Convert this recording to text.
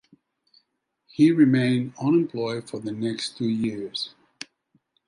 He remained unemployed for the next two years.